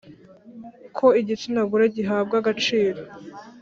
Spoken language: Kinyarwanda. ko igitsina gore gihabwa agaciro